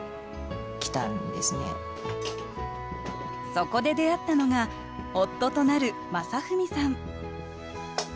そこで出会ったのが夫となる正文さん